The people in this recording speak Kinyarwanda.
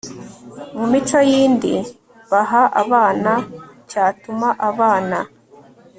mu mico yindi baha abana cyatuma abana